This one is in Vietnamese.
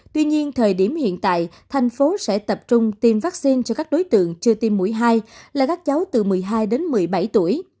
tuy nhiên thời điểm hiện tại thành phố sẽ tập trung tiêm vaccine cho các đối tượng chưa tiêm mũi hai là các cháu từ một mươi hai đến một mươi bảy tuổi